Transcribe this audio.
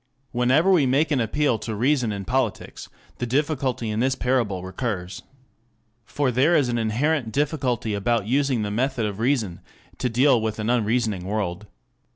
3 Whenever we make an appeal to reason in politics, the difficulty in this parable recurs. For there is an inherent difficulty about using the method of reason to deal with an unreasoning world.